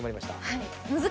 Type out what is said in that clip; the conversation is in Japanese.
はい。